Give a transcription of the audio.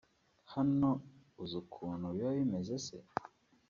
Hano uzi ukuntu biba bimeze se